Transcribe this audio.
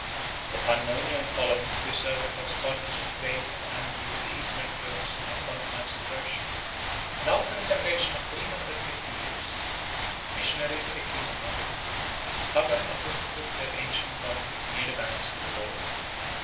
The Pannonian colony preserved a correspondence of trade and amity with the eastern Turks on the confines of Persia and after a separation of three hundred and fifty years, the missionaries of the king of Hungary discovered and visited their ancient country near the banks of the Volga.